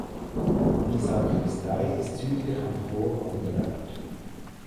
Die Sakristei ist südlich am Chor angebaut.